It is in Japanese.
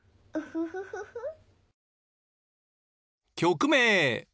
ウフフフフ。